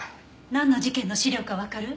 なんの事件の資料かわかる？